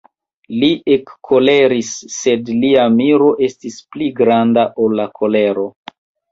Li ekkoleris, sed lia miro estis pli granda, ol la kolero.